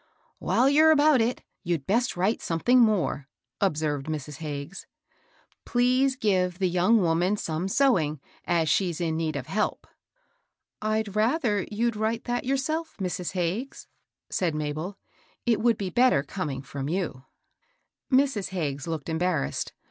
" While you're about it, you'd best write some thing more," observed Mrs, Hagges: "* Please give the young woman some sewing, as she's in need of help.' "" I'd rather you'd write that yourself, Mrs. Hag THE LADY PRESIDENT. 857 ges," said Mabel. "It would be better coming from you." Mrs. Hagges looked embarrassed.